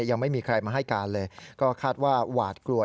ยังไม่มีใครมาให้การเลยก็คาดว่าหวาดกลัว